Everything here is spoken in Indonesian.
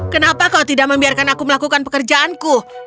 kenapa kau tidak membiarkan aku melakukan pekerjaanku